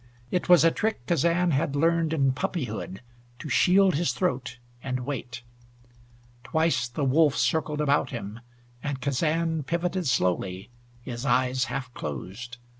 It was a trick Kazan had learned in puppyhood to shield his throat, and wait. Twice the wolf circled about him, and Kazan pivoted slowly, his eyes half closed.